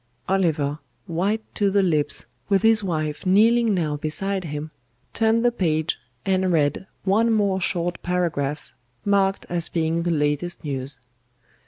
Oliver, white to the lips, with his wife kneeling now beside him, turned the page and read one more short paragraph, marked as being the latest news.